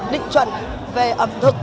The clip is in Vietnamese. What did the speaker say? định chuẩn về ẩm thực